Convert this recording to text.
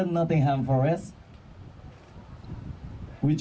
setelah nottingham forest